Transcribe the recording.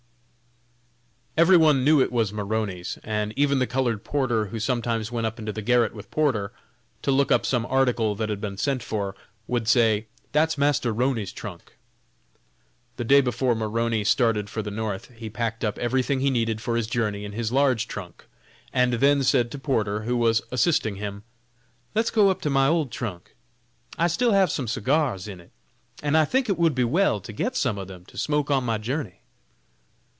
Every one knew it was Maroney's, and even the colored porter, who sometimes went up into the garret with Porter, to look up some article that had been sent for, would say: "Dat's Massa 'Roney's trunk." The day before Maroney started for the North he packed up everything he needed for his journey in his large trunk, and then said to Porter, who was assisting him: "Let's go up to my old trunk, I still have some cigars in it, and I think it would be well to get some of them to smoke on my journey."